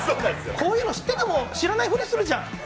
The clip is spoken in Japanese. こういうの、知ってても知らないふりするじゃん。